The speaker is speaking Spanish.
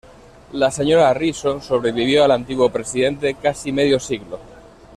La señora Harrison sobrevivió al antiguo presidente casi medio siglo.